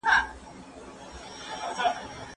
ليکوال ته اجازه ورکړئ چي په ازاده توګه وليکي.